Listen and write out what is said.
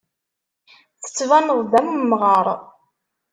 Tettbaneḍ-d am umɣar.